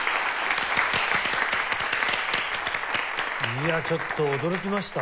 いやちょっと驚きました。